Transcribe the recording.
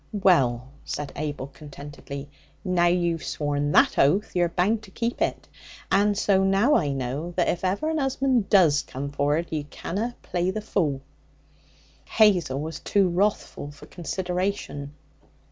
'Well,' said Abel contentedly, 'now you've sworn that oath, you're bound to keep it, and so now I know that if ever an 'usband does come forrard you canna play the fool.' Hazel was too wrathful for consideration.